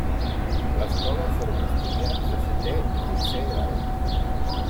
L'escola forma a estudiants de setè i dotzè grau.